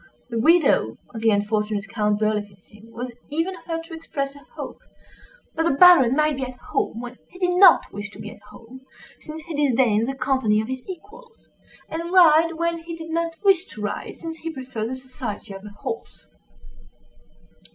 The widow of the unfortunate Count Berlifitzing was even heard to express a hope "that the Baron might be at home when he did not wish to be at home, since he disdained the company of his equals; and ride when he did not wish to ride, since he preferred the society of a horse."